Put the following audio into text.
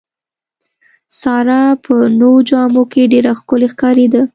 ساره په نوو جامو کې ډېره ښکلې ښکارېده.